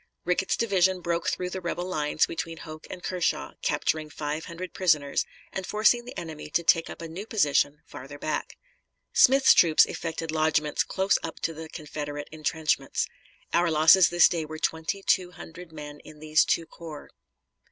Rickett's division broke through the rebel lines between Hoke and Kershaw, capturing five hundred prisoners, and forcing the enemy to take up a new position farther back. Smith's troops effected lodgments close up to the Confederate intrenchments. Our losses this day were twenty two hundred men in these two corps.